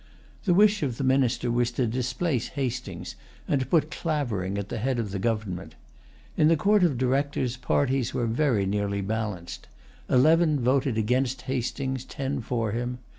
The wish of the Minister was to displace Hastings, and to put Clavering at the head of the government. In the Court of Directors parties were very nearly balanced. Eleven voted against Hastings; ten for him.